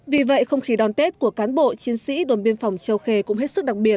vì vậy không khí đón tết của cán bộ chiến sĩ đồn biên phòng châu khê cũng hết sức đặc biệt